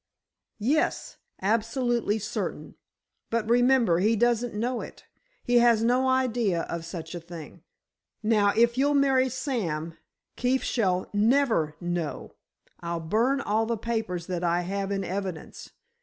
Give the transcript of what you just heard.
"Yes, absolutely certain. But, remember, he doesn't know it. He has no idea of such a thing. Now, if you'll marry Sam, Keefe shall never know. I'll burn all the papers that I have in evidence.